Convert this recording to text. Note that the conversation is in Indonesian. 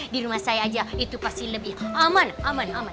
dirumah saya aja itu pasti lebih aman aman aman